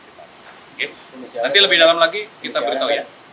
nanti lebih dalam lagi kita beritahu ya